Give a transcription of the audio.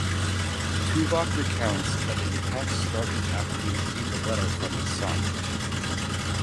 Tuvok recounts that the attacks started after he received a letter from his son.